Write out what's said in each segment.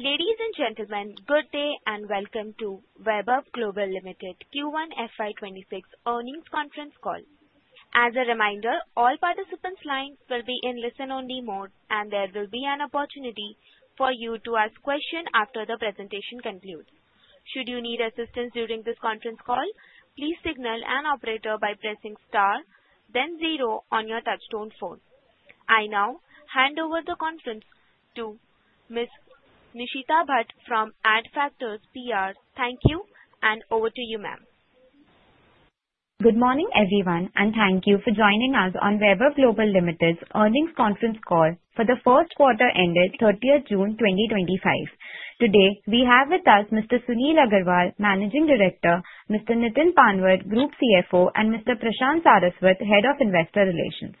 Ladies and gentlemen, good day and welcome to Vaibhav Global Limited Q1 FY2026 earnings conference call. As a reminder, all participants' lines will be in listen-only mode, and there will be an opportunity for you to ask questions after the presentation concludes. Should you need assistance during this conference call, please signal an operator by pressing star, then zero on your touchtone phone. I now hand over the conference to Ms. Nishita Bhat from Adfactors PR. Thank you, and over to you, ma'am. Good morning, everyone, and thank you for joining us on Vaibhav Global Limited's earnings conference call for the first quarter ended 30th June 2025. Today, we have with us Mr. Sunil Agrawal, Managing Director, Mr. Nitin Panwad, group CFO, and Mr. Prashant Saraswat, Head of Investor Relations.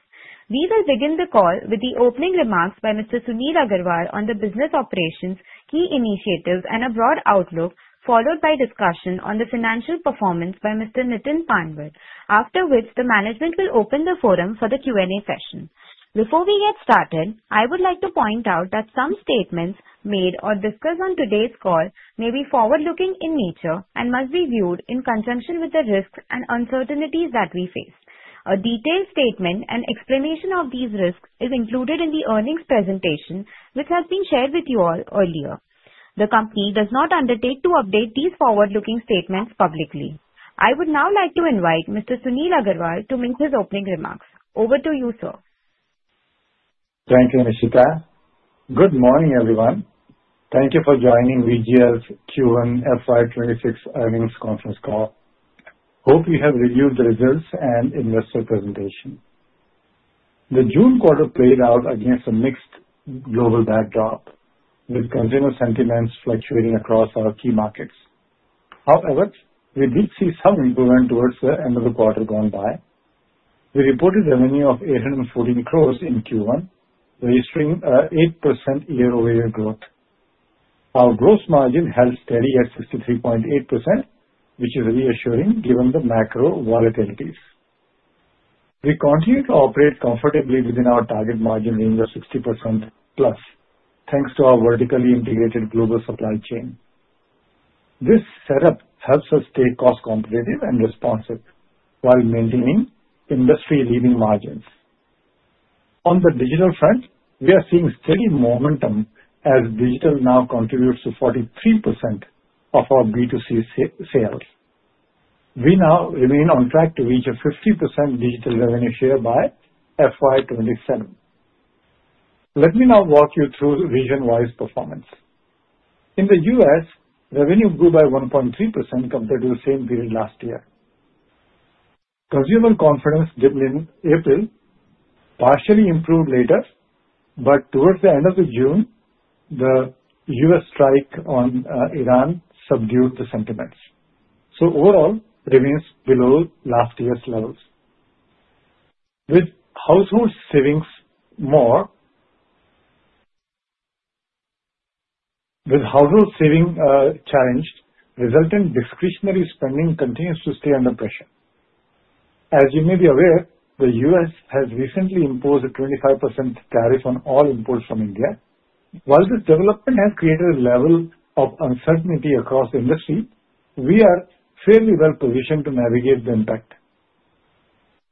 We will begin the call with the opening remarks by Mr. Sunil Agrawal on the business operations, key initiatives, and a broad outlook, followed by discussion on the financial performance by Mr. Nitin Panwad, after which the management will open the forum for the Q&A session. Before we get started, I would like to point out that some statements made or discussed on today's call may be forward-looking in nature and must be viewed in conjunction with the risks and uncertainties that we face. A detailed statement and explanation of these risks is included in the earnings presentation, which has been shared with you all earlier. The company does not undertake to update these forward-looking statements publicly. I would now like to invite Mr. Sunil Agrawal to make his opening remarks. Over to you, sir. Thank you, Nishita. Good morning, everyone. Thank you for joining VGL's Q1 FY2026 Earnings Conference Call. Hope you have reviewed the results and investor presentation. The June quarter played out against a mixed global backdrop, with consumer sentiments fluctuating across our key markets. However, we did see some improvement towards the end of the quarter gone by. We reported revenue of 840 crore in Q1, registering 8% year-over-year growth. Our gross margin held steady at 63.8%, which is reassuring given the macro volatilities. We continue to operate comfortably within our target margin range of 60%+, thanks to our vertically integrated global supply chain. This setup helps us stay cost-competitive and responsive while maintaining industry-leading margins. On the digital front, we are seeing steady momentum as digital now contributes to 43% of our B2C sales. We now remain on track to reach a 50% digital revenue share by FY2027. Let me now walk you through region-wide performance. In the U.S., revenue grew by 1.3% compared to the same period last year. Consumer confidence dipped in April, partially improved later, but towards the end of June, the U.S. strike on Iran subdued the sentiments. Overall, it remains below last year's levels. With household savings challenged, resulting discretionary spending continues to stay under pressure. As you may be aware, the U.S. has recently imposed a 25% tariff on all imports from India. While this development has created a level of uncertainty across the industry, we are fairly well positioned to navigate the impact.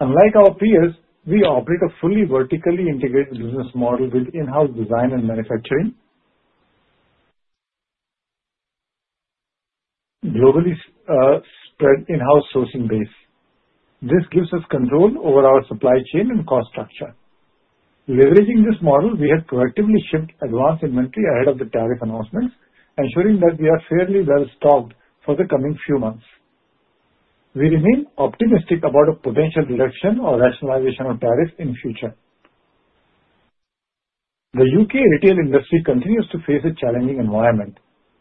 Unlike our peers, we operate a fully vertically integrated business model with in-house design and manufacturing, globally spread in-house sourcing base. This gives us control over our supply chain and cost structure. Leveraging this model, we have proactively shipped advanced inventory ahead of the tariff announcements, ensuring that we are fairly well stocked for the coming few months. We remain optimistic about a potential reduction or rationalization of tariffs in the future. The U.K. retail industry continues to face a challenging environment,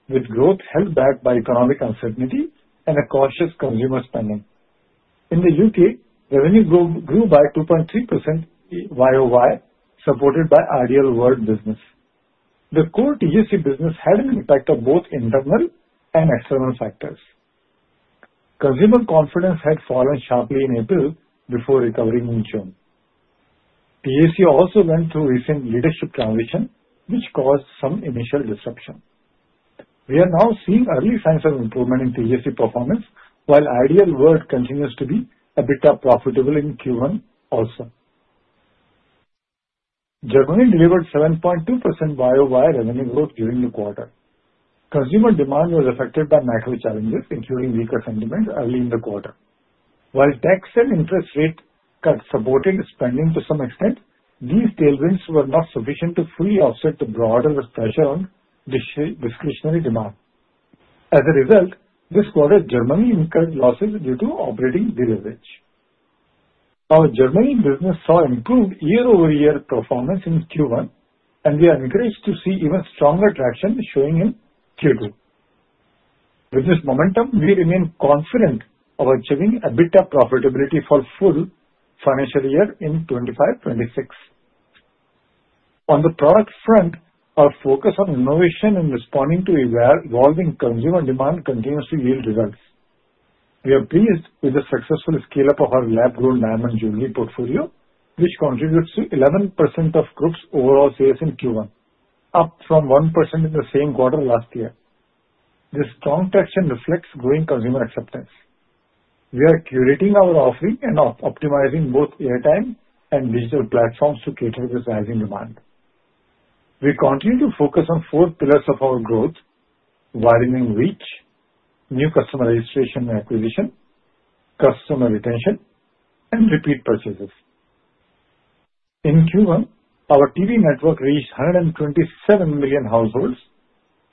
with growth held back by economic uncertainty and cautious consumer spending. In the U.K., revenue grew by 2.3% year-over-year, supported by Ideal World business. The core TJC business had an impact on both internal and external factors. Consumer confidence had fallen sharply in April before recovering in June. TJC also went through recent leadership transition, which caused some initial disruption. We are now seeing early signs of improvement in TJC performance, while Ideal World continues to be a bit profitable in Q1 also. Germany delivered 7.2% year-over-year revenue growth during the quarter. Consumer demand was affected by macro challenges, including weaker sentiment early in the quarter. While tax and interest rate cuts supported spending to some extent, these tailwinds were not sufficient to fully offset the broader pressure on discretionary demand. As a result, this quarter Germany incurred losses due to operating deleverage. Our Germany business saw improved year-over-year performance in Q1, and we are encouraged to see even stronger traction showing in Q2. With this momentum, we remain confident of achieving a bit of profitability for the full financial year in 2025. On the product front, our focus on innovation and responding to evolving consumer demand continues to yield results. We are pleased with the successful scale-up of our lab-grown diamond jewelry portfolio, which contributes to 11% of group's overall sales in Q1, up from 1% in the same quarter last year. This strong traction reflects growing consumer acceptance. We are curating our offering and optimizing both airtime and digital platforms to cater to this rising demand. We continue to focus on four pillars of our growth: widening reach, new customer registration and acquisition, customer retention, and repeat purchases. In Q1, our TV network reached 127 million households.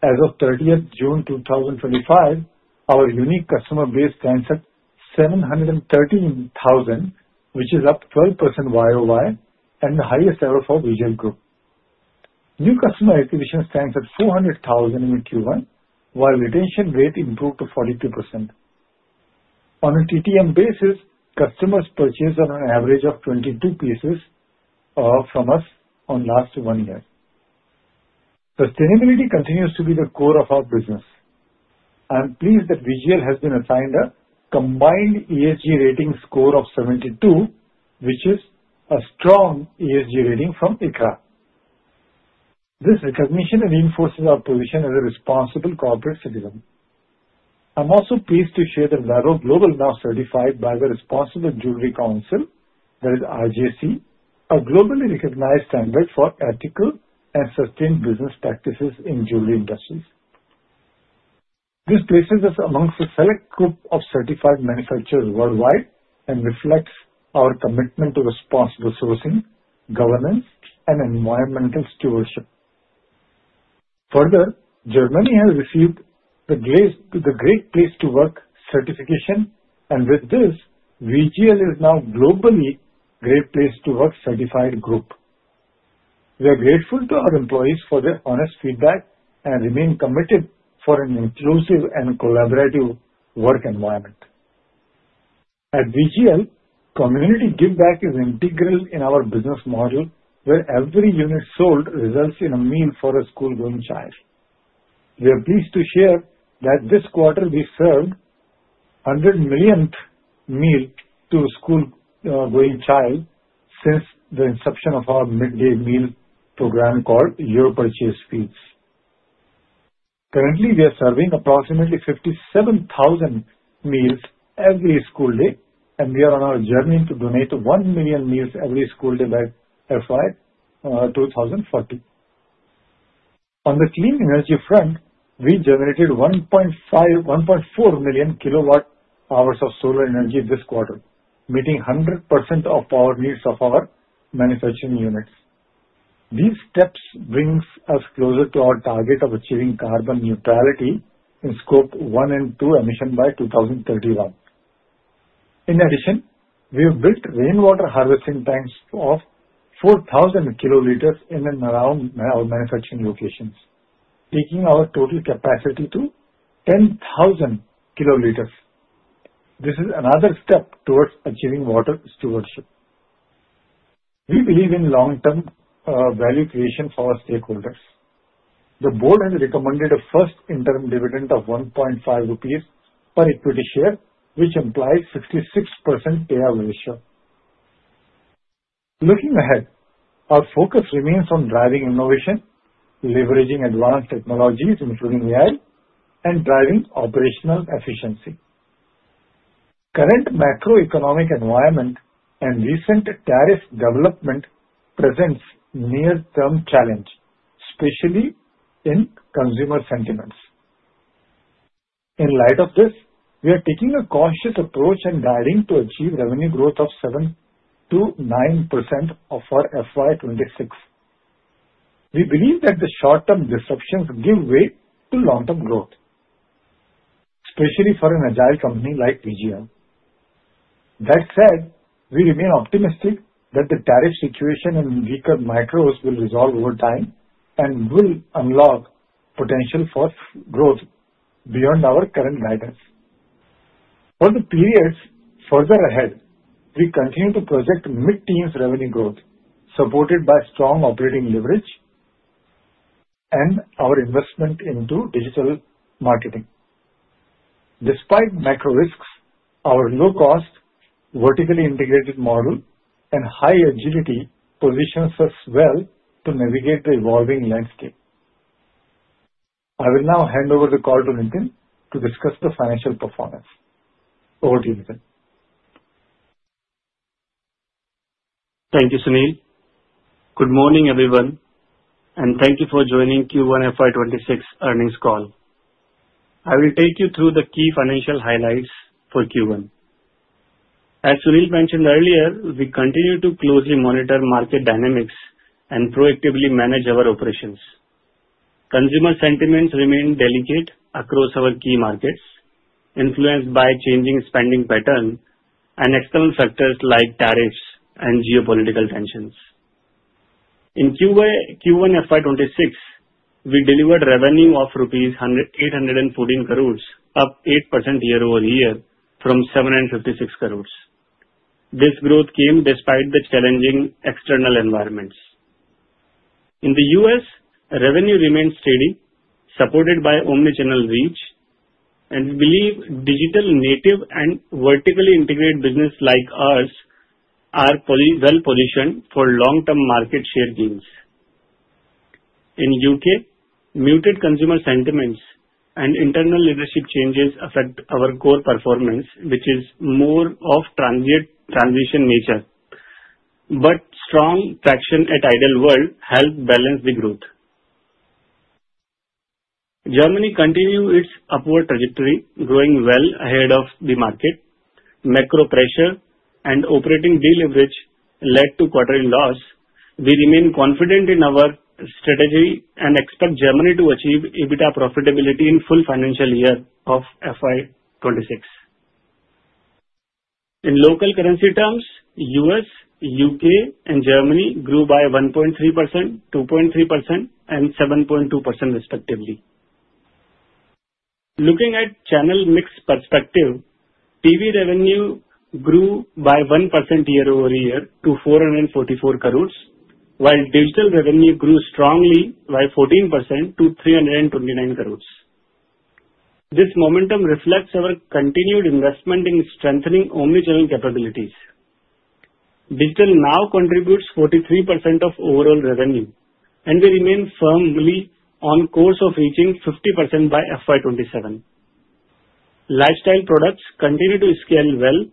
As of 30th June 2025, our unique customer base stands at 713,000, which is up 12% year-over-year and the highest ever for VGL Group. New customer acquisition stands at 400,000 in Q1, while retention rate improved to 42%. On a TTM basis, customers purchased on an average of 22 pieces from us in the last one year. Sustainability continues to be the core of our business. I am pleased that VGL has been assigned a combined ESG rating score of 72, which is a strong ESG rating from ICRA. This recognition reinforces our position as a responsible corporate citizen. I am also pleased to share that Vaibhav Global is now certified by the Responsible Jewellry Council, that is RJC, a globally recognized standard for ethical and sustained business practices in jewelry industries. This places us amongst a select group of certified manufacturers worldwide and reflects our commitment to responsible sourcing, governance, and environmental stewardship. Further, Germany has received the Great Place to Work certification, and with this, VGL is now globally a Great Place to Work certified group. We are grateful to our employees for their honest feedback and remain committed for an inclusive and collaborative work environment. At Vaibhav Global Limited, community giveback is integral in our business model, where every unit sold results in a meal for a school-going child. We are pleased to share that this quarter we served a 100 millionth meal to a school-going child since the inception of our midday meal program called Your Purchase Feeds. Currently, we are serving approximately 57,000 meals every school day, and we are on our journey to donate 1 million meals every school day by FY2040. On the clean energy front, we generated 1.4 million kWh hours of solar energy this quarter, meeting 100% of power needs of our manufacturing units. These steps bring us closer to our target of achieving carbon neutrality in Scope 1 and 2 emission by 2031. In addition, we have built rainwater harvesting tanks of 4,000 kL in and around our manufacturing locations, taking our total capacity to 10,000 kL. This is another step towards achieving water stewardship. We believe in long-term value creation for our stakeholders. The board has recommended a first interim dividend of 1.5 rupees per equity share, which implies a 56% payout ratio. Looking ahead, our focus remains on driving innovation, leveraging advanced technologies, including AI, and driving operational efficiency. Current macroeconomic environment and recent tariff development present near-term challenges, especially in consumer sentiments. In light of this, we are taking a cautious approach and guiding to achieve revenue growth of 7%-9% for FY2026. We believe that the short-term disruptions give way to long-term growth, especially for an agile company like VGL. That said, we remain optimistic that the tariff situation and weaker macros will resolve over time and will unlock potential for growth beyond our current guidance. For the periods further ahead, we continue to project mid-teens revenue growth, supported by strong operating leverage and our investment into digital marketing. Despite macro risks, our low-cost, vertically integrated model and high agility positions us well to navigate the evolving landscape. I will now hand over the call to Nitin to discuss the financial performance. Over to you, Nitin. Thank you, Sunil. Good morning, everyone, and thank you for joining Q1 FY2026 Earnings Call. I will take you through the key financial highlights for Q1. As Sunil mentioned earlier, we continue to closely monitor market dynamics and proactively manage our operations. Consumer sentiments remain delicate across our key markets, influenced by changing spending patterns and external factors like tariffs and geopolitical tensions. In Q1 FY2026, we delivered revenue of 814 crore, up 8% year-over-year from 756 crore rupees. This growth came despite the challenging external environments. In the U.S., revenue remains steady, supported by omnichannel reach, and we believe digital native and vertically integrated businesses like ours are well positioned for long-term market share gains. In the U.K., muted consumer sentiments and internal leadership changes affect our core performance, which is more of a transition nature, but strong traction at Ideal World helps balance the growth. Germany continues its upward trajectory, growing well ahead of the market. Macro pressure and operating deleverage led to quarterly loss. We remain confident in our strategy and expect Germany to achieve EBITDA profitability in the full financial year of FY2026. In local currency terms, U.S., U.K., and Germany grew by 1.3%, 2.3%, and 7.2% respectively. Looking at a channel mix perspective, TV revenue grew by 1% year-over-year to 444 crore, while digital revenue grew strongly by 14% to 329 crore. This momentum reflects our continued investment in strengthening omnichannel capabilities. Digital now contributes 43% of overall revenue, and we remain firmly on the course of reaching 50% by FY2027. Lifestyle products continue to scale well,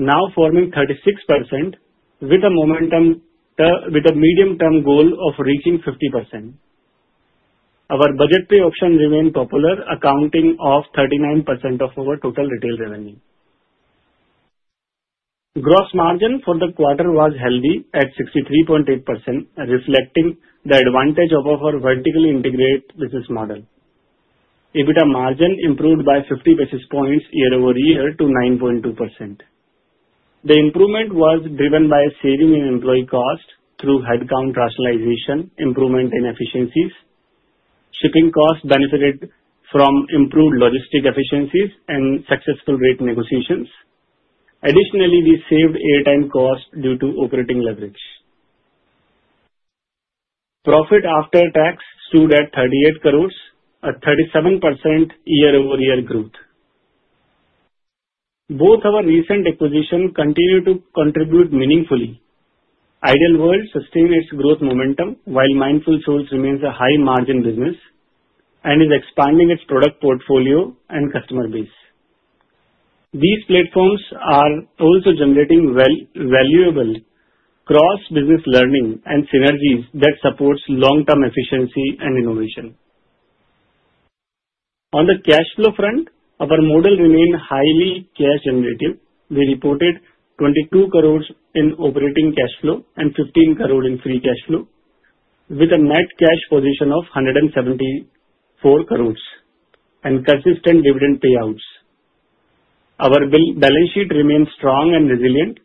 now forming 36% with a medium-term goal of reaching 50%. Our budgetary options remain popular, accounting for 39% of our total retail revenue. Gross margin for the quarter was healthy at 63.8%, reflecting the advantage of our vertically integrated business model. EBITDA margin improved by 50 basis points year-over-year to 9.2%. The improvement was driven by saving in employee costs through headcount rationalization, improvement in efficiencies. Shipping costs benefited from improved logistic efficiencies and successful rate negotiations. Additionally, we saved airtime costs due to operating leverage. Profit after tax stood at 38 crore, a 37% year-over-year growth. Both our recent acquisitions continue to contribute meaningfully. Ideal World sustains its growth momentum while Mindful Souls remains a high-margin business and is expanding its product portfolio and customer base. These platforms are also generating valuable cross-business learning and synergies that support long-term efficiency and innovation. On the cash flow front, our model remains highly cash-generative. We reported 22 crore in operating cash flow and 15 crore in free cash flow, with a net cash position of 174 crore and consistent dividend payouts. Our balance sheet remains strong and resilient.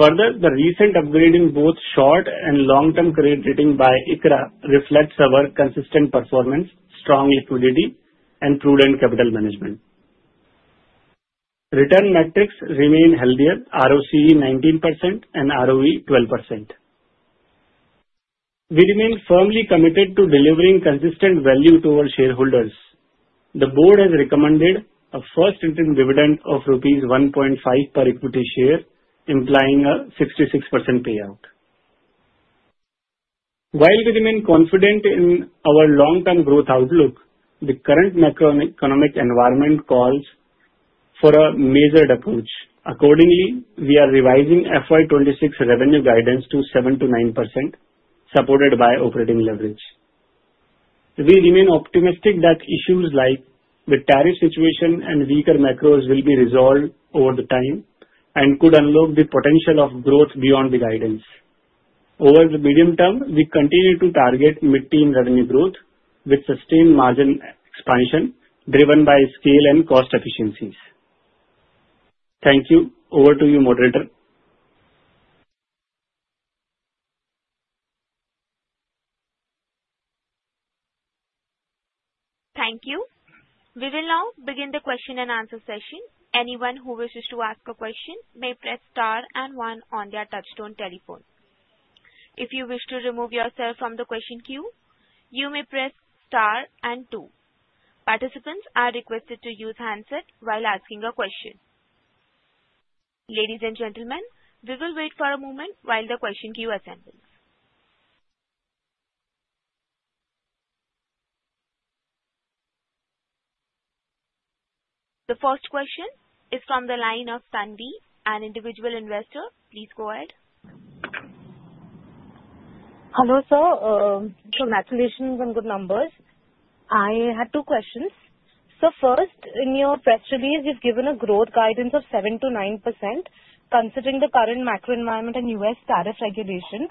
Further, the recent upgrading in both short and long-term credit rating by ICRA reflects our consistent performance, strong liquidity, and prudent capital management. Return metrics remain healthier, ROCE 19% and ROE 12%. We remain firmly committed to delivering consistent value to our shareholders. The Board has recommended a first interim dividend of rupees 1.5 per equity share, implying a 66% payout. While we remain confident in our long-term growth outlook, the current macroeconomic environment calls for a measured approach. Accordingly, we are revising FY2026 revenue guidance to 7%-9%, supported by operating leverage. We remain optimistic that issues like the tariff situation and weaker macros will be resolved over time and could unlock the potential of growth beyond the guidance. Over the medium term, we continue to target mid-teen revenue growth with sustained margin expansion driven by scale and cost efficiencies. Thank you. Over to you, moderator. Thank you. We will now begin the question and answer session. Anyone who wishes to ask a question may press star and one on their touchstone telephone. If you wish to remove yourself from the question queue, you may press star and two. Participants are requested to use handsets while asking a question. Ladies and gentlemen, we will wait for a moment while the question queue assembles. The first question is from the line of Sandy, an individual investor. Please go ahead. Hello, sir. Congratulations on good numbers. I had two questions. First, in your press release, you've given a growth guidance of 7%-9% considering the current macro environment and U.S. tariff regulations.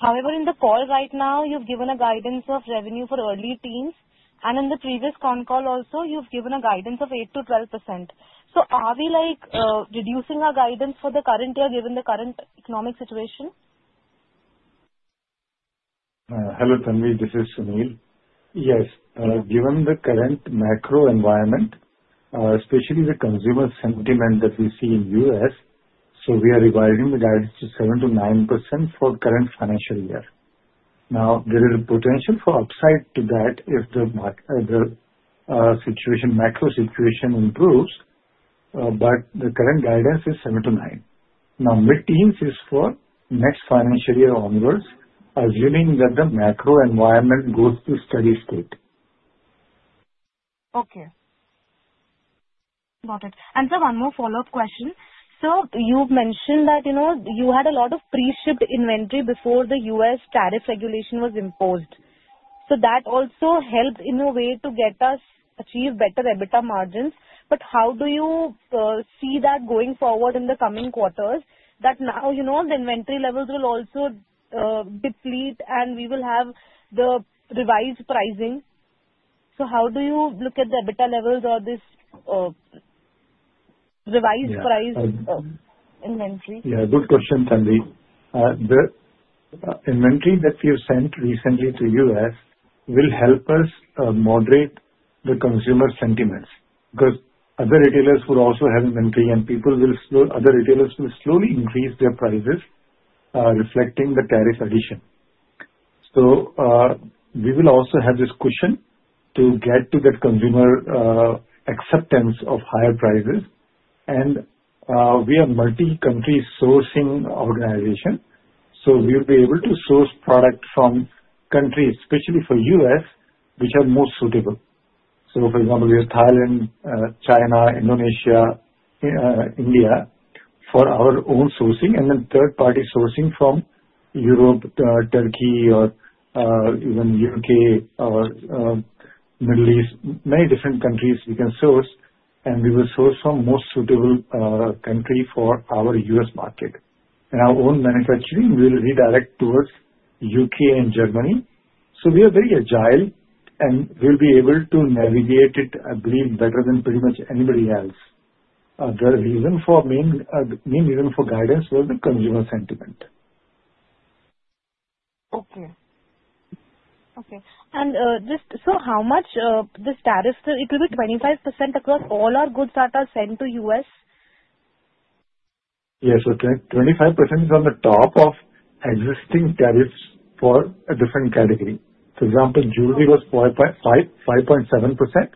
However, in the call right now, you've given a guidance of revenue for early teens, and in the previous con call also, you've given a guidance of 8%-12%. Are we reducing our guidance for the current year given the current economic situation? Hello, Tanvi. This is Sunil. Yes, given the current macro environment, especially the consumer sentiment that we see in the U.S., we are revising the guidance to 7%-9% for the current financial year. There is a potential for upside to that if the macro situation improves, but the current guidance is 7%-9%. Mid-teens is for next financial year onwards, assuming that the macro environment goes to a steady state. Okay, got it. Sir, one more follow-up question. You mentioned that you had a lot of pre-shipped inventory before the U.S. tariff regulation was imposed. That also helped in a way to get us to achieve better EBITDA margins. How do you see that going forward in the coming quarters now that the inventory levels will also deplete and we will have the revised pricing? How do you look at the EBITDA levels or this revised price inventory? Yeah, good question, Tanvi. The inventory that you sent recently to the U.S. will help us moderate the consumer sentiments because other retailers will also have inventory, and other retailers will slowly increase their prices, reflecting the tariff addition. We will also have this cushion to get to that consumer acceptance of higher prices. We are a multi-country sourcing organization, so we will be able to source products from countries, especially for the U.S., which are most suitable. For example, we have Thailand, China, Indonesia, and India for our own sourcing, and then third-party sourcing from Europe, Turkey, or even the U.K., or Middle East. Many different countries we can source, and we will source from most suitable countries for our U.S. market. Our own manufacturing will redirect towards the U.K. and Germany. We are very agile and we'll be able to navigate it, I believe, better than pretty much anybody else. The main reason for guidance was the consumer sentiment. Okay. Okay. Just so, how much this tariff, it will be 25% across all our goods that are sent to the U.S.? Yes, so 25% is on the top of existing tariffs for a different category. For example, jewelry was 5.7%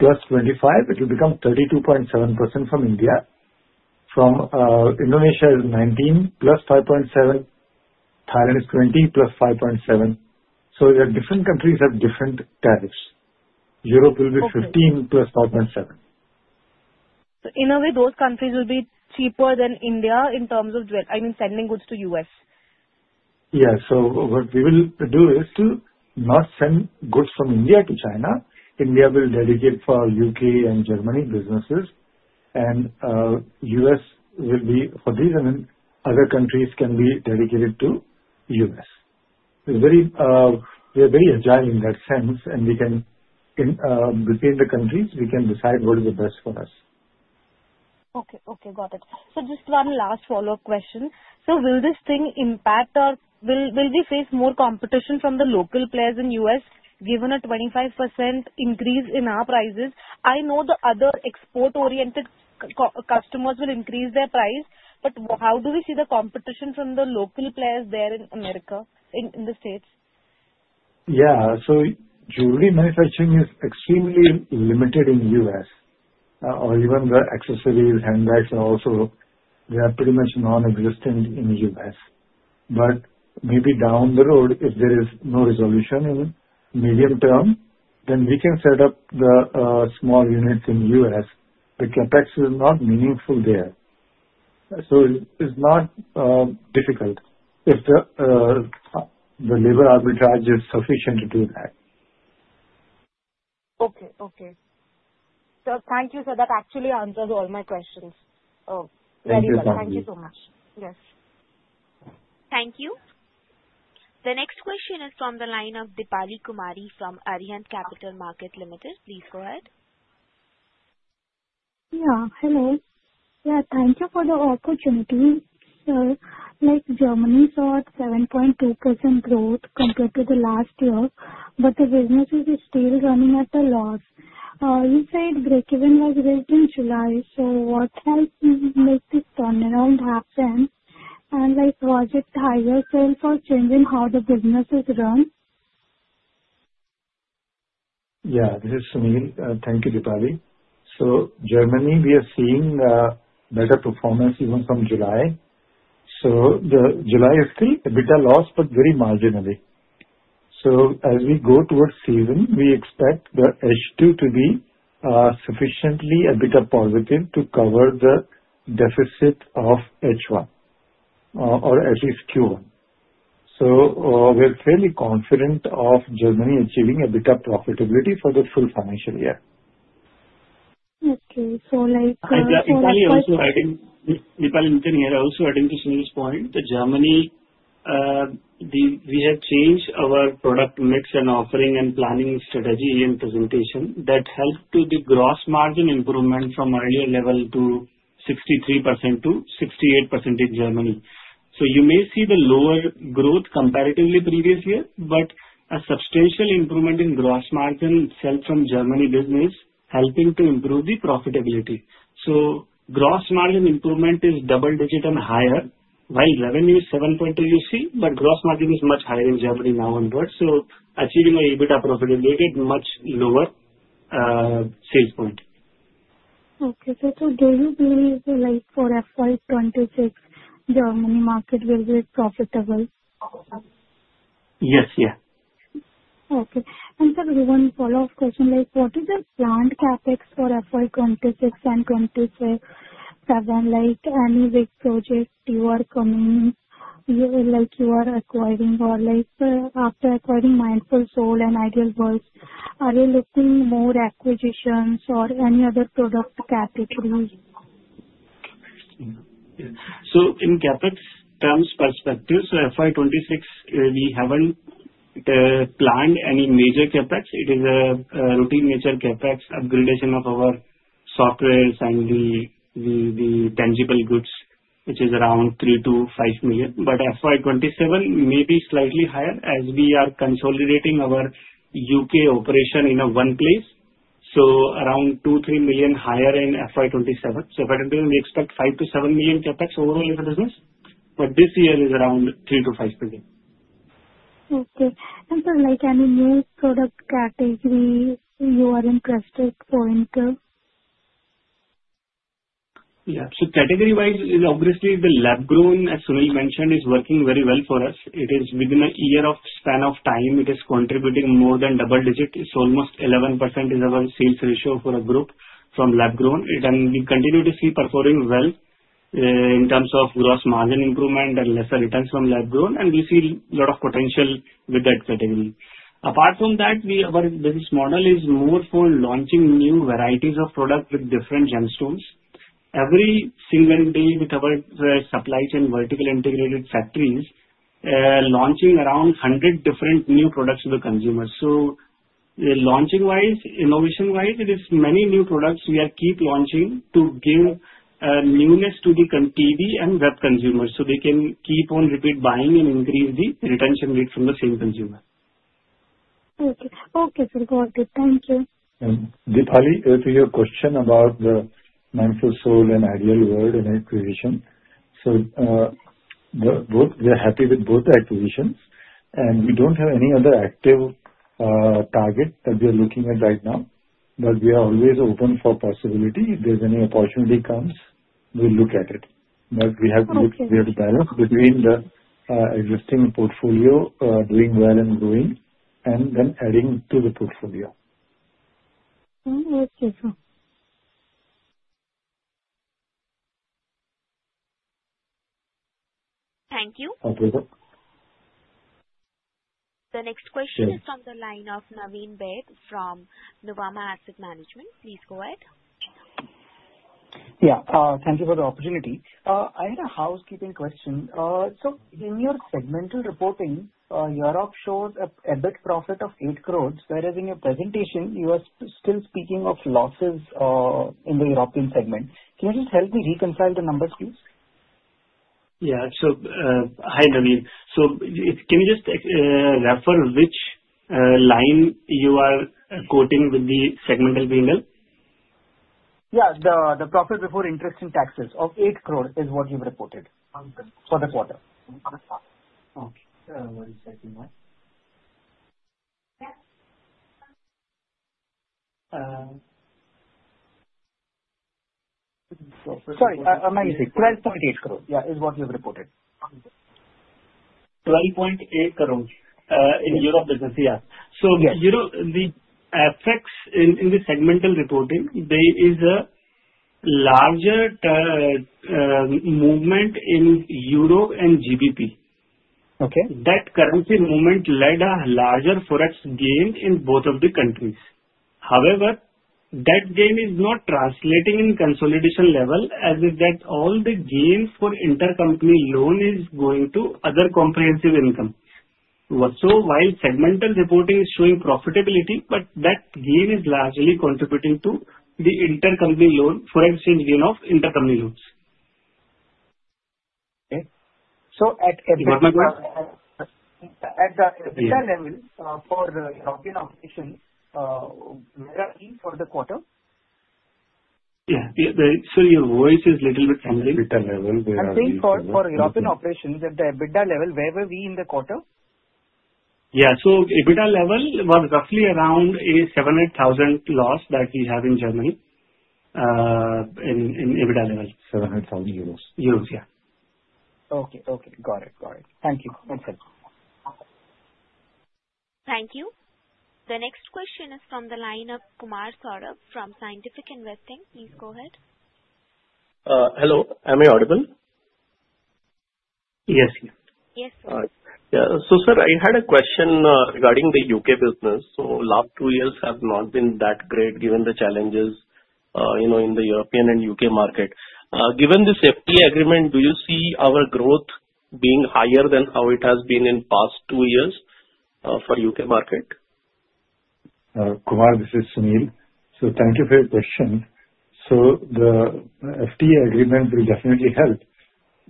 + 25%, which will become 32.7% from India. From Indonesia, it is 19% + 5.7%. Thailand is 20% + 5.7%. There are different countries that have different tariffs. Europe will be 15% + 5.7%. In a way, those countries will be cheaper than India in terms of, I mean, sending goods to the U.S.? Yeah, what we will do is to not send goods from India to China. India will delegate for U.K. and Germany businesses, and the U.S. will be for these, and then other countries can be dedicated to the U.S. We are very agile in that sense, and we can, in between the countries, decide what is the best for us. Okay, got it. Just one last follow-up question. Will this thing impact or will we face more competition from the local players in the U.S. given a 25% increase in our prices? I know the other export-oriented customers will increase their price, but how do we see the competition from the local players there in America, in the States? Yeah, so jewelry manufacturing is extremely limited in the U.S., or even the accessories, handbags, and also they are pretty much non-existent in the U.S. Maybe down the road, if there is no resolution in the medium term, then we can set up the small units in the U.S. The CapEx is not meaningful there. It's not difficult if the labor arbitrage is sufficient to do that. Okay. Thank you, sir. That actually answers all my questions. Oh, thank you so much. Yes, thank you. The next question is from the line of Dipali Kumari from Arihant Capital Markets Ltd. Please go ahead. Yeah, hello. Yeah, thank you for the opportunity. Germany saw 7.2% growth compared to last year, but the business is still running at a loss. You said breakeven was reached in July. What helped you make this turnaround? I project a higher sale for changing how the business is run? Yeah, this is Sunil. Thank you, Dipali. Germany, we are seeing better performance even from July. July is still a bit of loss, but very marginally. As we go towards season, we expect the H2 to be sufficiently a bit positive to cover the deficit of H1, or at least Q1. We're fairly confident of Germany achieving a bit of profitability for the full financial year. Okay, so like I think, Dipali and Nitin, here I also adding to Sunil's point, Germany, we have changed our product mix and offering and planning strategy in presentation that helped to the gross margin improvement from earlier level to 63%-68% in Germany. You may see the lower growth comparatively to the previous year, but a substantial improvement in gross margin itself from Germany business helping to improve the profitability. Gross margin improvement is double digit and higher, while revenue is 7.2%, but gross margin is much higher in Germany now on board. Achieving an EBITDA profitability at a much lower sales point. Okay, sir. Do you believe like for FY2026, the Germany market will be profitable? Yes, yeah. Okay. Sir, we have one follow-up question. What is the planned CapEx for FY2026 and 2027? Any big surges you are coming, you are acquiring, or after acquiring Mindful Souls and Ideal World, are you looking at more acquisitions or any other product category? In CapEx terms perspective, FY2026, we haven't planned any major CapEx. It is a routine major CapEx upgradation of our softwares and the tangible goods, which is around $3 million-$5 million. FY2027 may be slightly higher as we are consolidating our U.K. operation in one place, around $2 million-$3 million higher in FY2027. FY2027, we expect $5 million-$7 million CapEx overall in the business. This year is around $3 million-$5 million. Okay. Sir, like any new product category you are interested in for Ideal World? Yeah, so category-wise, obviously, the lab-grown, as Sunil mentioned, is working very well for us. It is within a year of span of time, it is contributing more than double digit. It's almost 11% in our sales ratio for a group from lab-grown. We continue to see performing well in terms of gross margin improvement and lesser returns from lab-grown. We see a lot of potential with that category. Apart from that, our business model is more for launching new varieties of products with different gemstones. Every single day with our supply chain vertically integrated factories, launching around 100 different new products to the consumers. The launching-wise, innovation-wise, it is many new products we keep launching to give a newness to the TV and web consumers so they can keep on repeat buying and increase the retention rate from the same consumer. Okay, sir, got it. Thank you. Dipali, to your question about the Mindful Souls and Ideal World and acquisition, we are happy with both acquisitions, and we don't have any other active target that we are looking at right now. We are always open for possibility. If there's any opportunity that comes, we'll look at it. We have to look at the balance between the existing portfolio, doing well and growing, and then adding to the portfolio. Okay, sir. Thank you. Okay, sir. The next question is from the line of Naveen Baid from Novama Asset Management. Please go ahead. Thank you for the opportunity. I had a housekeeping question. In your segmental reporting, Europe showed a net profit of 8 crore, whereas in your presentation, you are still speaking of losses in the European segment. Can you help me reconcile the numbers, please? Hi Naveen. Can you refer to which line you are quoting with the segmental green bill? The profit before interest and taxes of 8 crore is what you've reported for the quarter. Sorry. Sorry, 12.8 crore is what you have reported. 12.8 crore in the Europe business, yeah. The effects in the segmental reporting, there is a larger movement in Europe and GBP. That currency movement led to a larger forex gain in both of the countries. However, that gain is not translating in consolidation level as it does all the gains for intercompany loan is going to other comprehensive income. While segmental reporting is showing profitability, that gain is largely contributing to the intercompany loan Forex change gain of intercompany loans. Okay. At the EBITDA level for the European operations, where are we for the quarter? Yeah, sorry, your voice is a little bit challenging. EBITDA level, where are we? Sorry, sorry. For European operations, at the EBITDA level, where were we in the quarter? Yeah, EBITDA level was roughly around a 700,000 loss that we have in Germany at EBITDA level. 700,000 euros. Euros, yeah. Okay. Got it. Thank you. Thanks, sir. Thank you. The next question is from the line of Kumar Saurabh from Scientific Investing. Please go ahead. Hello. Am I audible? Yes, yes. Yes, sir. Yeah. Sir, I had a question regarding the U.K. business. The last two years have not been that great given the challenges, you know, in the European and U.K. market. Given this FTA agreement, do you see our growth being higher than how it has been in the past two years for the U.K. market? Kumar, this is Sunil. Thank you for your question. The FTA agreement will definitely help.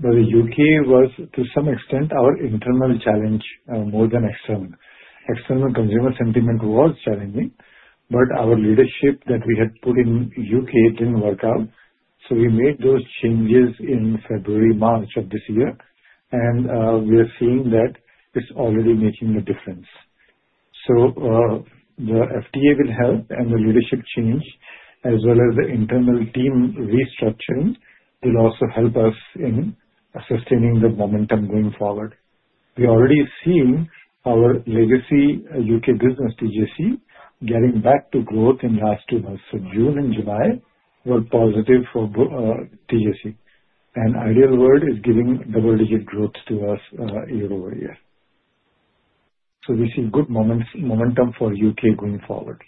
The U.K. was, to some extent, our internal challenge more than external. External consumer sentiment was challenging, but our leadership that we had put in the U.K. didn't work out. We made those changes in February, March of this year, and we are seeing that it's already making a difference. The FTA will help, and the leadership change, as well as the internal team restructuring, will also help us in sustaining the momentum going forward. We already have seen our legacy U.K. business, TJC, getting back to growth in the last two months. June and July were positive for TJC. Ideal World is giving double-digit growth to us year over year. We see good momentum for the U.K. going forward.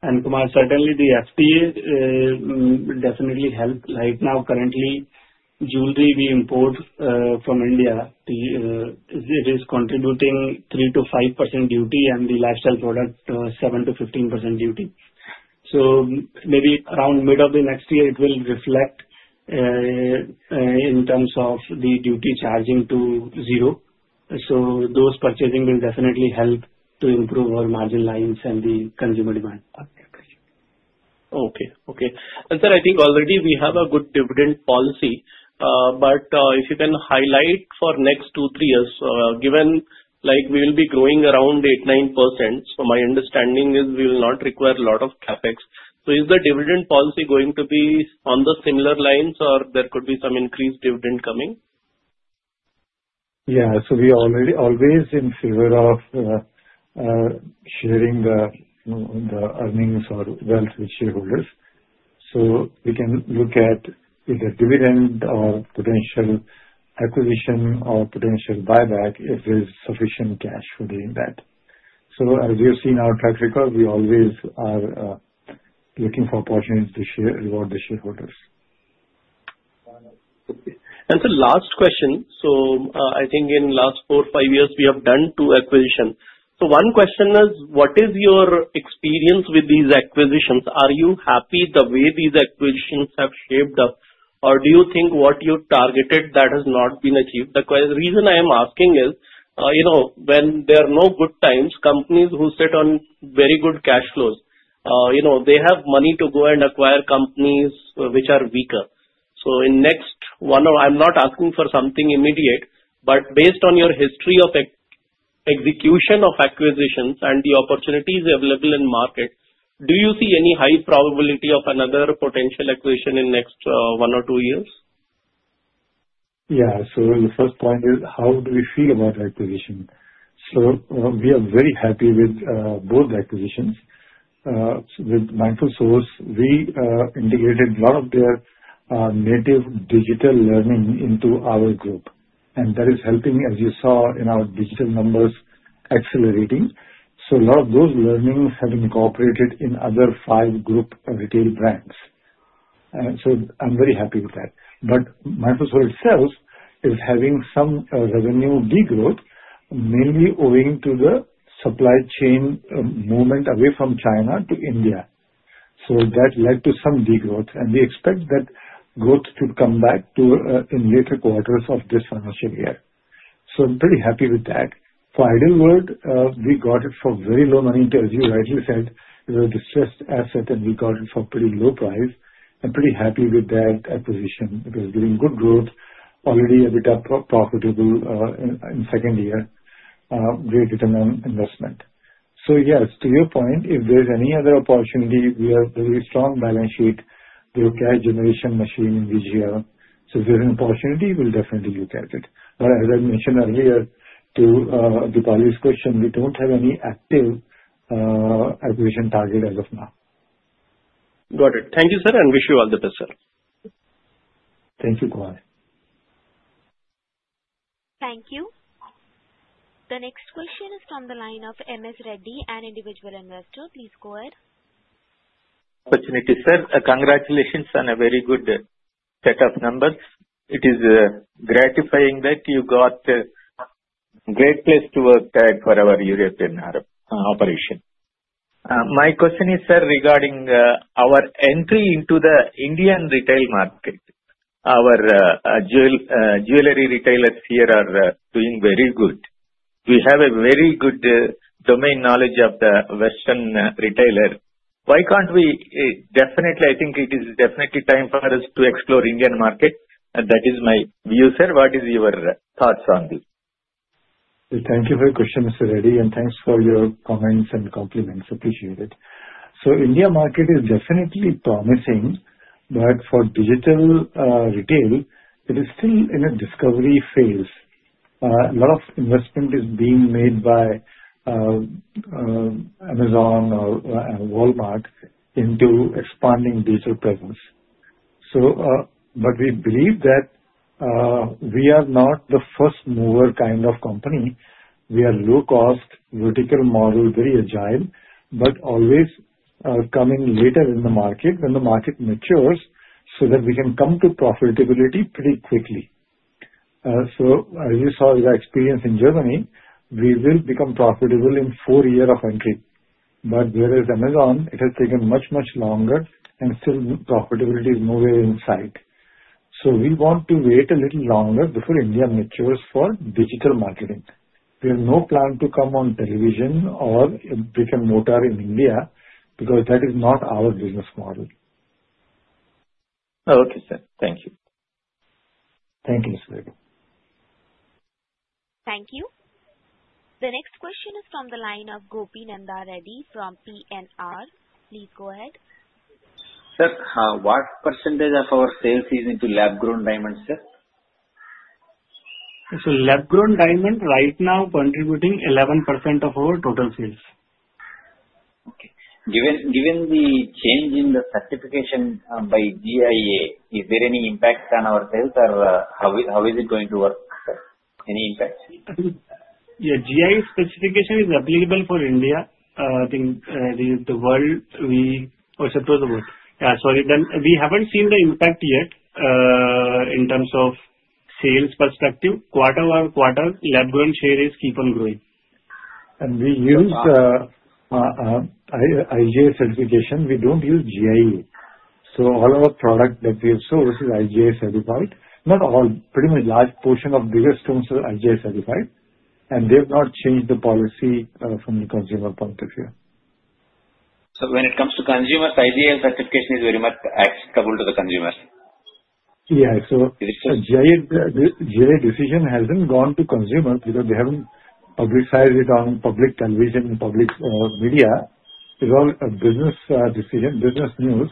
Kumar, certainly, the FTA will definitely help. Right now, currently, jewelry we import from India is contributing 3%-5% duty, and the lifestyle product 7%-15% duty. Maybe around mid of the next year, it will reflect in terms of the duty charging to zero. Those purchasing will definitely help to improve our margin lines and the consumer demand. Okay. I think already we have a good dividend policy, but if you can highlight for the next two, three years, given like we will be growing around 8%-9%, my understanding is we will not require a lot of CapEx. Is the dividend policy going to be on the similar lines, or could there be some increased dividend coming? Yeah, we are always in favor of sharing the earnings or wealth with shareholders. We can look at either dividend or potential acquisition or potential buyback if there's sufficient cash for doing that. As we have seen in our track record, we always are looking for opportunities to share with the shareholders. Okay. Sir, last question. I think in the last four or five years, we have done two acquisitions. One question is, what is your experience with these acquisitions? Are you happy the way these acquisitions have shaped up, or do you think what you targeted has not been achieved? The reason I am asking is, you know, when there are no good times, companies who sit on very good cash flows, you know, they have money to go and acquire companies which are weaker. In the next one, I'm not asking for something immediate, but based on your history of execution of acquisitions and the opportunities available in the market, do you see any high probability of another potential acquisition in the next one or two years? Yeah, so the first point is, how do we feel about the acquisition? We are very happy with both acquisitions. With Mindful Souls, we integrated a lot of their native digital learning into our group, and that is helping, as you saw, in our digital numbers accelerating. A lot of those learnings have been incorporated in other five group retail brands. I'm very happy with that. Mindful Souls itself is having some revenue degrowth, mainly owing to the supply chain movement away from China to India. That led to some degrowth, and we expect that growth to come back in later quarters of this financial year. I'm pretty happy with that. For Ideal World, we got it for very low money, as you rightly said. It was a distressed asset, and we got it for a pretty low price. I'm pretty happy with that acquisition. It was doing good growth, already a bit profitable in the second year, great return on investment. Yes, to your point, if there's any other opportunity, we have a very strong balance sheet through a cash generation machine in VGL. If there's an opportunity, we'll definitely look at it. As I mentioned earlier to Dipali's question, we don't have any active acquisition target as of now. Got it. Thank you, sir, and wish you all the best, sir. Thank you, Kumar. Thank you. The next question is from the line of M.S. Reddy, an individual investor. Please go ahead. Opportunity, sir. Congratulations on a very good set of numbers. It is gratifying that you got a Great Place to Work tag for our European operation. My question is, sir, regarding our entry into the Indian retail market. Our jewelry retailers here are doing very good. We have a very good domain knowledge of the western retailers. Why can't we, I think it is definitely time for us to explore the Indian market? That is my view, sir. What are your thoughts on this? Thank you for your question, Mr. Reddy, and thanks for your comments and compliments. Appreciate it. The Indian market is definitely promising, but for digital retail, it is still in a discovery phase. A lot of investment is being made by Amazon or Walmart into expanding digital presence. We believe that we are not the first mover kind of company. We are a low-cost vertical model, very agile, but always coming later in the market when the market matures so that we can come to profitability pretty quickly. As you saw with our experience in Germany, we will become profitable in four years of entry, whereas Amazon, it has taken much, much longer and still profitability is nowhere in sight. We want to wait a little longer before India matures for digital marketing. We have no plan to come on television or become notarized in India because that is not our business model. Okay, sir. Thank you. Thank you, Sunil. Thank you. The next question is from the line of Gopinanda Reddy from PNR. Please go ahead. Sir, what percentage of our sales is into lab-grown diamond jewelry, sir? Lab-grown diamond jewelry right now is contributing 11% of our total sales. Given the change in the certification by GIA, is there any impact on our sales or how is it going to work, sir? Any impacts? Yeah, GIA specification is available for India. I think the world, we haven't seen the impact yet in terms of sales perspective. Quarter by quarter, lab-grown shares keep on growing. We use IGI certification. We don't use GIA. All of our products that we have sourced are IGI certified. Not all, pretty much a large portion of bigger stones are IGI certified. They have not changed the policy from the consumer point of view. When it comes to consumers, IGI certification is very much applicable to the consumers. Yeah, the decision hasn't gone to consumers because they haven't publicized it on public television or public media. It's all a business decision, business news.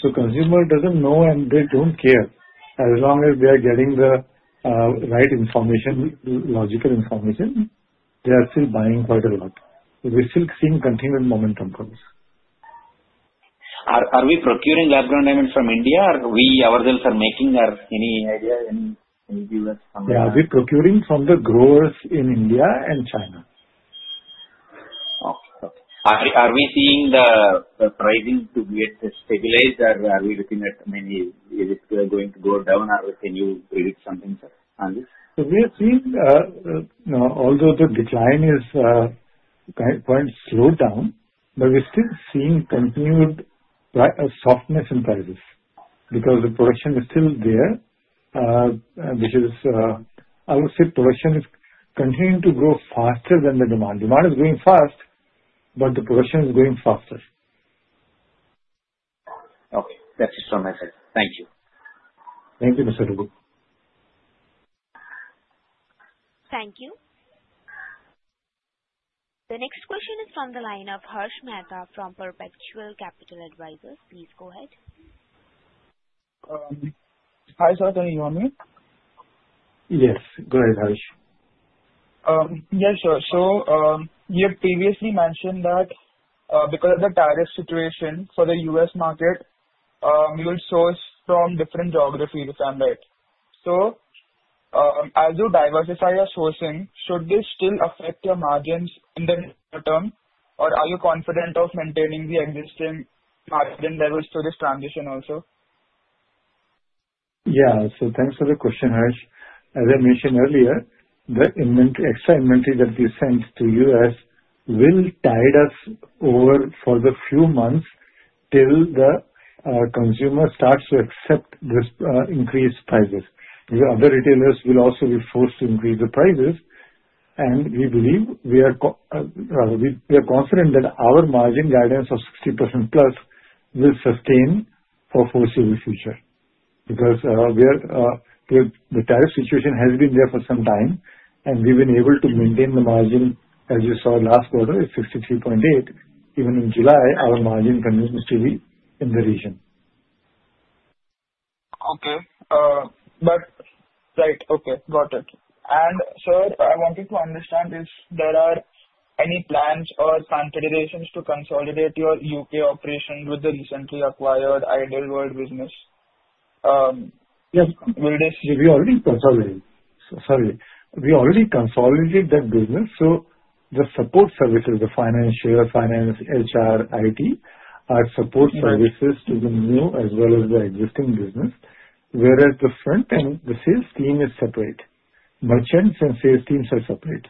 Consumers don't know and they don't care. As long as they are getting the right information, logical information, they are still buying quite a lot. We're still seeing continued momentum growth. Are we procuring lab-grown Diamonds from India or are we, ourselves, making? Any idea? Yeah, we're procuring from the growers in India and China. Are we seeing the pricing to be stabilized or are we looking at maybe if we are going to go down? Can you repeat something, sir, on this? We are seeing, you know, although the decline is quite slowed down, we're still seeing continued softness in prices because the production is still there. I would say production is continuing to grow faster than the demand. Demand is growing fast, but the production is growing faster. Okay, that's it from my side. Thank you. Thank you, Mr. Reddy. Thank you. The next question is from the line of Harsh Mehta from Perpetual Capital Advisors. Please go ahead. Hi, sir. Can you hear me? Yes, go ahead, Harsh. Yeah, sure. You had previously mentioned that because of the tariff situation for the U.S. market, you will source from different geographies, right? As you diversify your sourcing, should this still affect your margins in the near term, or are you confident of maintaining the existing margin levels for this transition also? Yeah, thanks for the question, Harsh. As I mentioned earlier, the extra inventory that we sent to the U.S. will tide us over for the few months till the consumer starts to accept these increased prices. The other retailers will also be forced to increase the prices, and we believe, rather, we are confident that our margin guidance of 60%+ will sustain for the foreseeable future because the tariff situation has been there for some time, and we've been able to maintain the margin, as you saw, last quarter is 63.8%. Even in July, our margin continues to be in the region. Okay. But. Right. Okay, got it. Sir, I wanted to understand if there are any plans or considerations to consolidate your U.K. operation with the recently acquired Ideal World business. Yeah, we already consolidated that business. The support services, the finance, share of finance, HR, IT, are support services to the new as well as the existing business, whereas the front end, the sales team is separate. Merchants and sales teams are separate.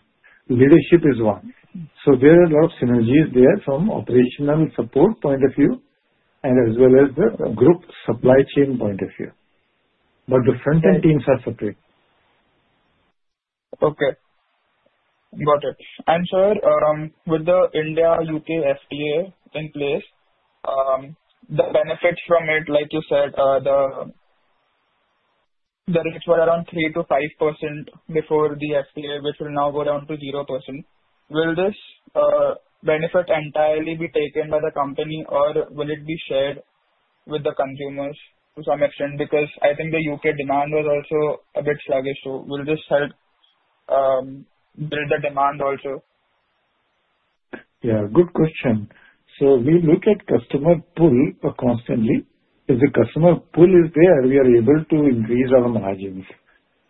Leadership is one. There are a lot of synergies there from the operational support point of view as well as the group supply chain point of view. The front end teams are separate. Okay. Got it. Sir, with the India-U.K. FTA in place, the benefits from it, like you said, are the rates were around 3%-5% before the FTA, which will now go down to 0%. Will this benefit entirely be taken by the company, or will it be shared with the consumers to some extent? I think the U.K. demand was also a bit sluggish. Will this help build the demand also? Yeah, good question. We look at customer pull constantly. If the customer pull is there, we are able to increase our margins.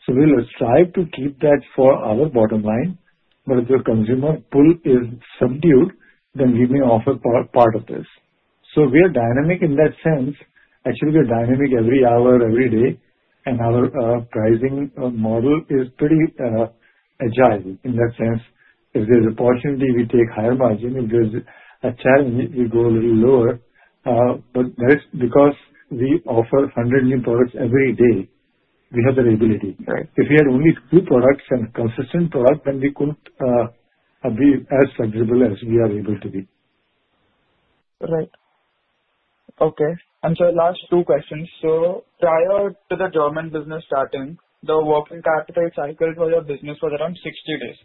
We will strive to keep that for our bottom line. If the consumer pull is subdued, we may offer part of this. We are dynamic in that sense. Actually, we are dynamic every hour, every day. Our pricing model is pretty agile in that sense. If there's an opportunity, we take higher margin. If there's a challenge, we go a little lower. That is because we offer 100 million products every day. We have the ability. If we had only a few products and consistent products, then we could be as flexible as we are able to be. Right. Okay. Sir, last two questions. Prior to the German business starting, the working capital cycle for your business was around 60 days.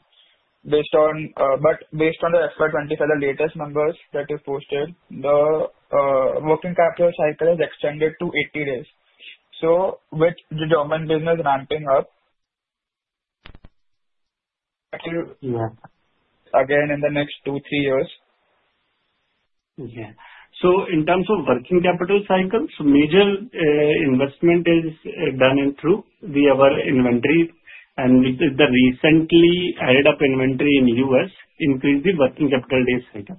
Based on the FY2027, the latest numbers that you posted, the working capital cycle is extended to 80 days. With the German business ramping up again in the next two to three years. Yeah. In terms of working capital cycles, major investment is done through our inventory. With the recently added-up inventory in the U.S., it increased the working capital days cycle.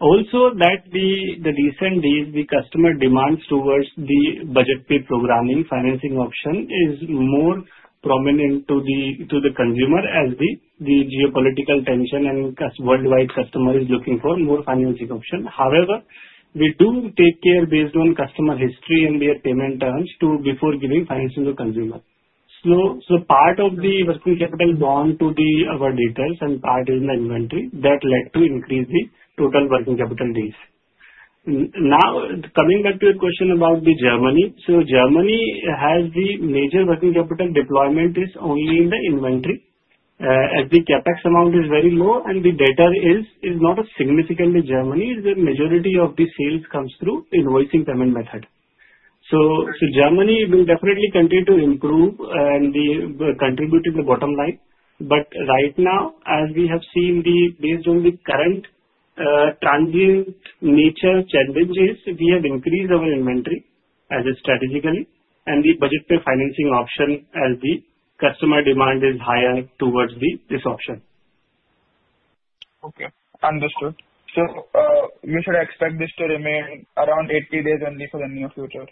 Also, in recent days, the customer demands towards the budget-based programming financing option is more prominent to the consumer as the geopolitical tension and worldwide customer is looking for more financing option. However, we do take care based on customer history and their payment terms before giving financing to the consumer. Part of the working capital is bound to our details and part is in the inventory that led to increasing total working capital days. Now, coming back to your question about Germany, Germany has the major working capital deployment only in the inventory. As the CapEx amount is very low and the data is not significant in Germany, the majority of the sales comes through invoicing payment method. Germany will definitely continue to improve and contribute to the bottom line. Right now, as we have seen, based on the current transient nature challenges, we have increased our inventory strategically and the budget-based financing option as the customer demand is higher towards this option. Okay, understood. You should expect this to remain around 80 days only for the near future?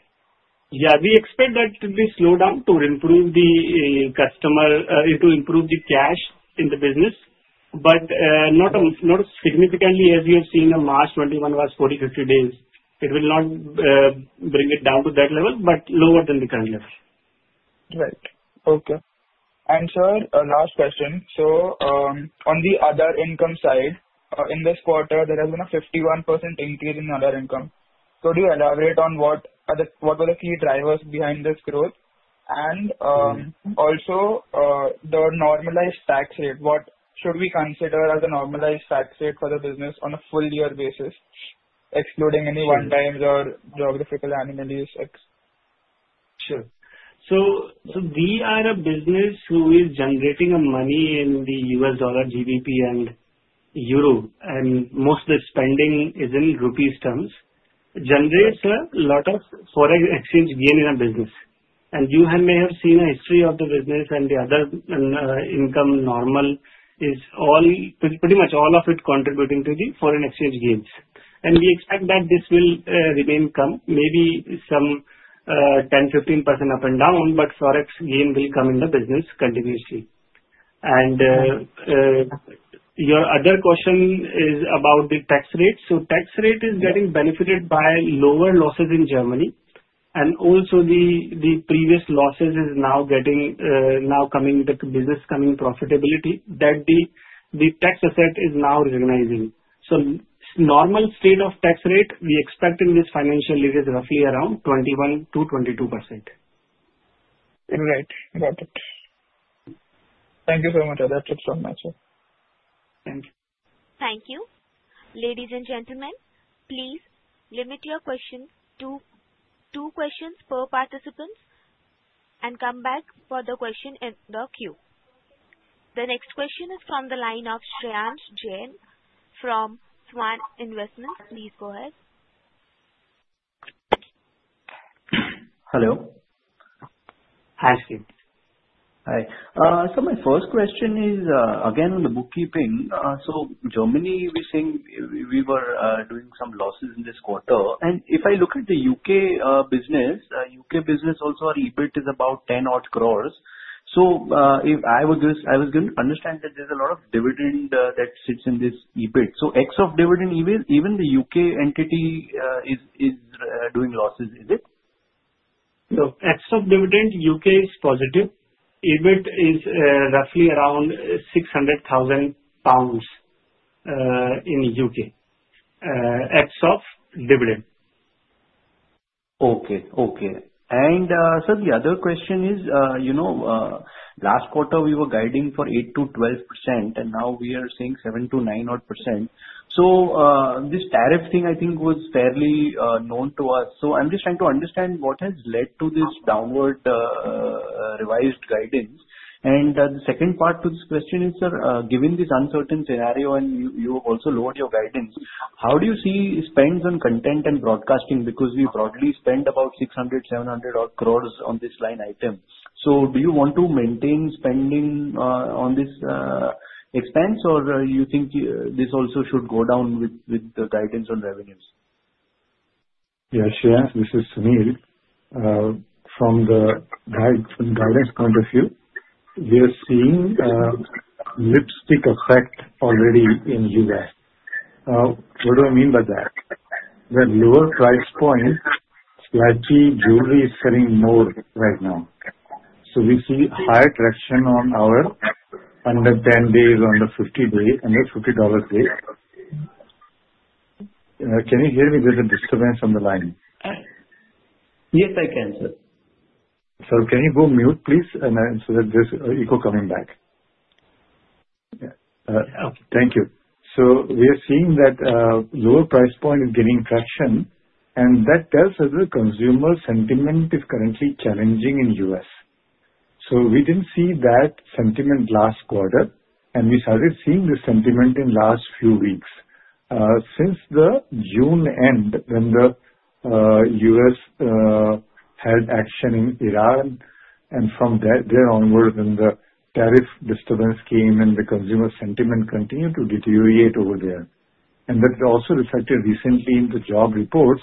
Yeah, we expect that to slow down to improve the customer, to improve the cash in the business, but not significantly as we have seen in March 2021 was 40, 50 days. It will not bring it down to that level, but lower than the current level. Right. Okay. Sir, last question. On the other income side, in this quarter, there has been a 51% increase in other income. Could you elaborate on what are the key drivers behind this growth? Also, the normalized tax rate, what should we consider as a normalized tax rate for the business on a full-year basis, excluding any one-time or geographical annuities? Sure. We are a business who is generating money in the U.S. dollar, GBP, and euro, and most of the spending is in rupee terms, which generates a lot of foreign exchange gain in our business. You may have seen a history of the business and the other income normally is all pretty much all of it contributing to the foreign exchange gains. We expect that this will remain coming, maybe some 10%-15% up and down, but forex gain will come in the business continuously. Your other question is about the tax rate. The tax rate is getting benefited by lower losses in Germany. Also, the previous losses are now coming with the business coming profitability that the tax asset is now recognizing. The normal state of tax rate we expect in this financial year is roughly around 21%-22%. Right. Got it. Thank you very much. That's it from my side. Thank you. Thank you. Ladies and gentlemen, please limit your questions to two questions per participant and come back for the question in the queue. The next question is from the line of Shreyansh Jain from Swan Investments. Please go ahead. Hello. Hi, Shreyansh. Hi. My first question is, again, on the bookkeeping. Germany, we're saying we were doing some losses in this quarter. If I look at the U.K. business, U.K. business also our EBIT is about 10 crore. If I was going to understand that there's a lot of dividend that sits in this EBIT. Excess dividend, even the U.K. entity is doing losses, is it? Excess dividend, U.K. is positive. EBIT is roughly around EUR 600,000 in the U.K., excess dividend. Okay. Sir, the other question is, last quarter we were guiding for 8%-12%, and now we are seeing 7%-9%. This tariff thing, I think, was fairly known to us. I'm just trying to understand what has led to this downward revised guidance. The second part to this question is, sir, given this uncertain scenario and you also lowered your guidance, how do you see spends on content and broadcasting? We broadly spend about 600 crore-700 crore on this line item. Do you want to maintain spending on this expense, or do you think this also should go down with the guidance on revenues? Yeah, Shreyansh, this is Sunil. From the guidance point of view, we are seeing a lipstick effect already in the U.S. What do I mean by that? We have lower price point. Swatchy jewelry is selling more right now. We see higher traction on our under $10, under $50. Can you hear me? There's a disturbance on the line. Yes, I can, sir. Sir, can you go mute, please, so that there's an echo coming back? Yeah. Thank you. We are seeing that lower price point is gaining traction, and that tells us the consumer sentiment is currently challenging in the U.S. We didn't see that sentiment last quarter, and we started seeing the sentiment in the last few weeks. Since the June end, when the U.S. had action in Iran, and from there onward, when the tariff disturbance came and the consumer sentiment continued to deteriorate over there. That is also reflected recently in the job reports,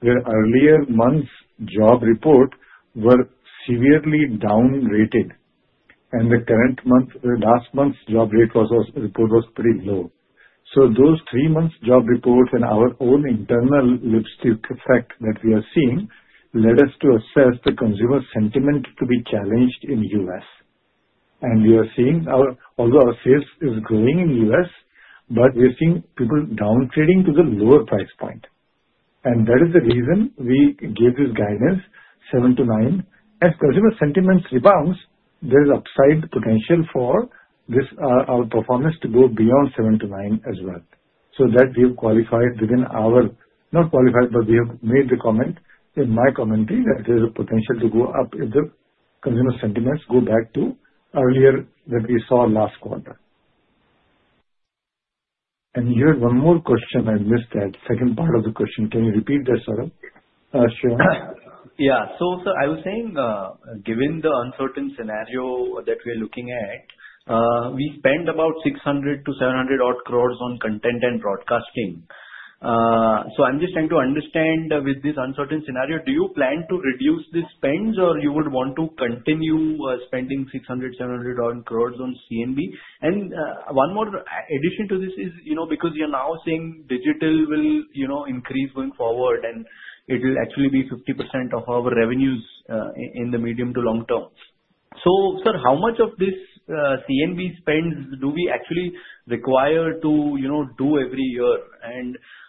where earlier months' job reports were severely downrated. The current month, last month's job report was pretty low. Those three months' job reports and our own internal lipstick effect that we are seeing led us to assess the consumer sentiment to be challenged in the U.S. We are seeing, although our sales are growing in the U.S., we're seeing people downtrading to the lower price point. That is the reason we gave this guidance, 7%-9%. As consumer sentiment rebounds, there's upside potential for our performance to go beyond 7%-9% as well. We have made the comment in my commentary that there's a potential to go up if the consumer sentiments go back to earlier than we saw last quarter. You had one more question. I missed that second part of the question. Can you repeat that, sir? Yeah, I was saying, given the uncertain scenario that we're looking at, we spend about 600 crore-700 crore on content and broadcasting. I'm just trying to understand, with this uncertain scenario, do you plan to reduce these spends, or would you want to continue spending 600 crore, 700 crore on content and broadcasting? One more addition to this is, because you're now saying digital will increase going forward, and it will actually be 50% of our revenues in the medium to long term. Sir, how much of this content and broadcasting spend do we actually require to do every year?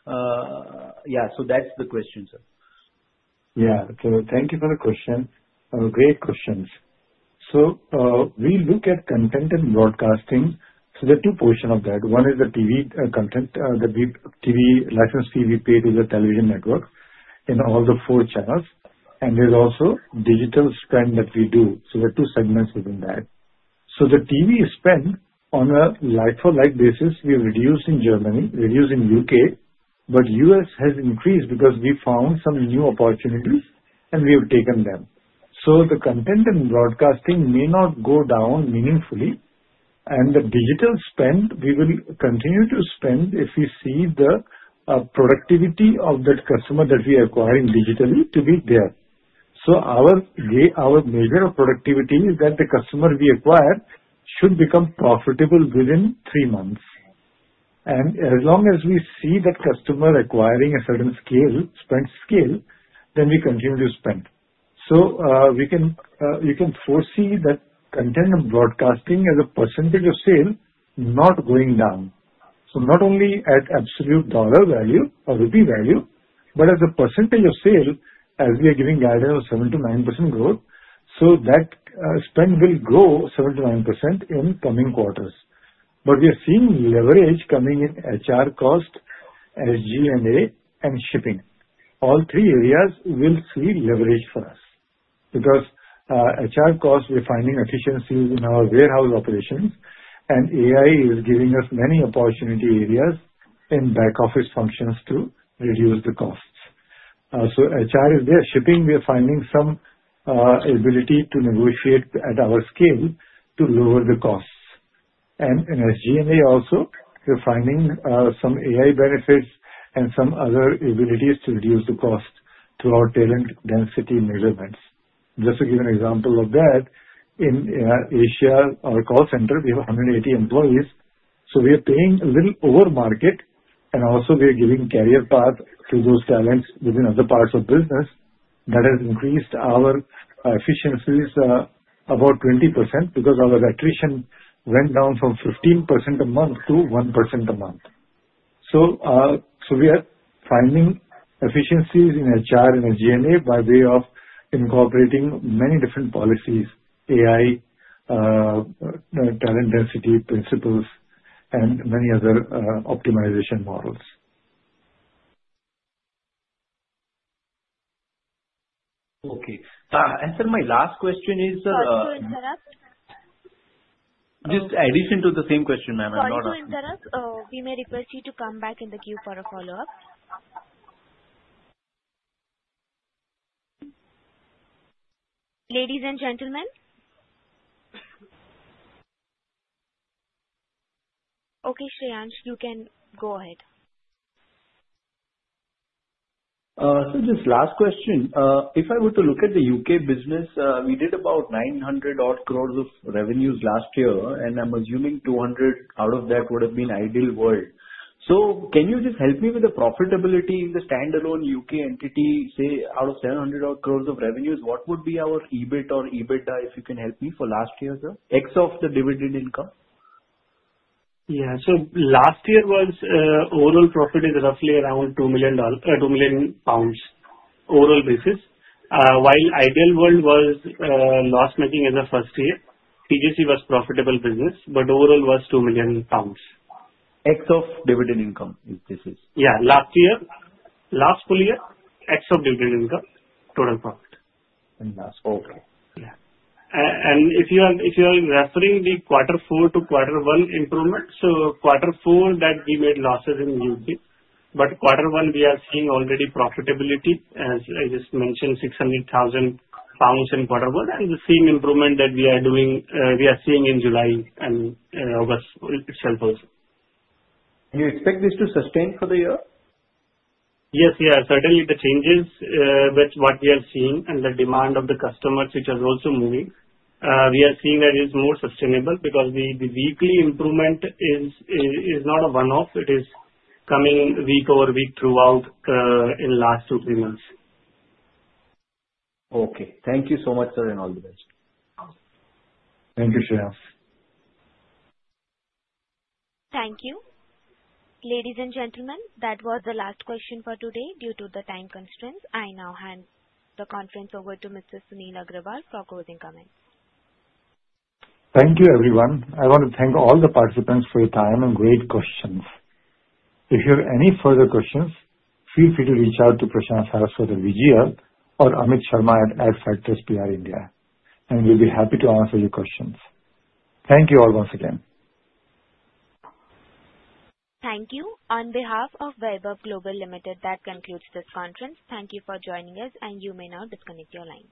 That's the question, sir. Yeah, thank you for the question. Great questions. We look at content and broadcasting. There are two portions of that. One is the TV content, the TV license fee we pay to the television network in all the four channels. There's also digital spend that we do. There are two segments within that. The TV spend on a like-for-like basis, we reduce in Germany, reduce in the U.K., but the U.S. has increased because we found some new opportunities, and we have taken them. The content and broadcasting may not go down meaningfully. The digital spend, we will continue to spend if we see the productivity of that customer that we are acquiring digitally to be there. Our major productivity is that the customer we acquire should become profitable within three months. As long as we see that customer acquiring a certain scale, spend scale, then we continue to spend. You can foresee that content and broadcasting as a percentage of sale not going down. Not only at absolute dollar value or rupee value, but as a percentage of sale, as we are giving the idea of 7%-9% growth, that spend will grow 7%-9% in coming quarters. We are seeing leverage coming in HR cost, SG&A, and shipping. All three areas will see leverage for us because HR cost, we're finding efficiencies in our warehouse operations, and AI is giving us many opportunity areas in back office functions to reduce the costs. HR is there. Shipping, we are finding some ability to negotiate at our scale to lower the costs. In SG&A also, we're finding some AI benefits and some other abilities to reduce the cost throughout talent density measurements. Just to give an example of that, in Asia, our call center, we have 180 employees. We are paying a little over market, and also we are giving career paths to those talents within other parts of business. That has increased our efficiencies about 20% because our attrition went down from 15% a month to 1% a month. We are finding efficiencies in HR and SG&A by way of incorporating many different policies, AI, talent density principles, and many other optimization models. Okay. Sir, my last question is, sir. Oh, I'm sorry, Shreyansh. Just in addition to the same question, ma'am. Oh, I'm sorry, Shreyansh. We may request you to come back in the queue for a follow-up. Ladies and gentlemen, okay, Shreyansh, you can go ahead. Just last question. If I were to look at the U.K. business, we did about 900 crore of revenues last year, and I'm assuming 200 crore out of that would have been Ideal World. Can you just help me with the profitability in the standalone U.K. entity, say, out of 700 crore of revenues, what would be our EBIT or EBITDA if you can help me for last year, sir, except the dividend income? Yeah, last year overall profit is roughly around £2 million overall basis. While Ideal World was loss-making in the first year, TJC was a profitable business, but overall was EUR 2 million. Except dividend income, this is. Yeah, last year, last full year, except dividend income, total profit. Last year, okay. If you are referring the quarter four to quarter one improvements, quarter four that we made losses in GBP, but quarter one we are seeing already profitability, as I just mentioned, £600,000 in quarter one, and the same improvement that we are doing, we are seeing in July and August itself also. Do you expect this to sustain for the year? Yes, certainly the changes with what we are seeing and the demand of the customers, which are also moving, we are seeing that it is more sustainable because the weekly improvement is not a one-off. It is coming week over week throughout in the last two, three months. Okay, thank you so much, sir, and all the best. Thank you, Prashant. Thank you. Ladies and gentlemen, that was the last question for today due to the time constraints. I now hand the conference over to Mr. Sunil Agrawal for closing comments. Thank you, everyone. I want to thank all the participants for your time and great questions. If you have any further questions, feel free to reach out to Prashant Saraswat at VGL or Amit Sharma at Adfactors PR India, and we'll be happy to answer your questions. Thank you all once again. Thank you. On behalf of Vaibhav Global Limited, that concludes this conference. Thank you for joining us, and you may now disconnect your line.